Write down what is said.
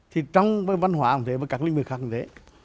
thì trong văn hóa cũng thế và các lĩnh vực khác cũng thế